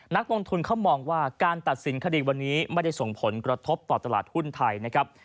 นักลงทุนเขามองว่าการตัดสินคดีวันนี้ไม่ได้ส่งผลกระทบต่อตลาดหุ้นไทยนะครับ